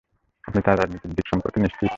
আপনি তার রাজনৈতিক দিক সম্পর্কে নিশ্চিত?